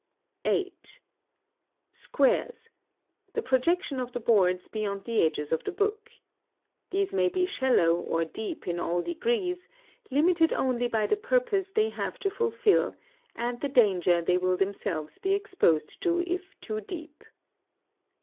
(8) Squares, the projection of the boards beyond the edges of the book. These may be shallow or deep in all degrees, limited only by the purpose they have to fulfil and the danger they will themselves be exposed to if too deep.